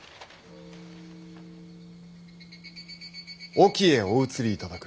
隠岐へお移りいただく。